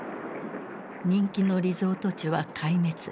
人気のリゾート地は壊滅。